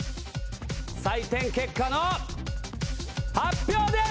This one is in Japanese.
採点結果の発表です！